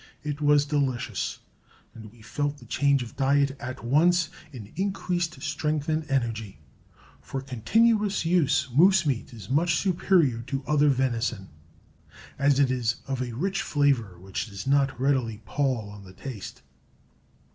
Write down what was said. It was delicious, and we felt the change of diet at once in increased strength and energy. For continuous use moose meat is much superior to other venison, as it is of a rich flavor which does not readily pall on the taste.